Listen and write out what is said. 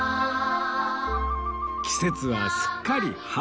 季節はすっかり春